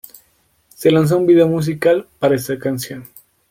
Se lanzó un video musical para esta canción.